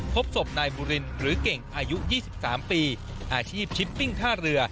พบศพนายบูรินหรือเก่งอายุยี่สิบสามปีอาชีพชิมปิ้งท่าเรือ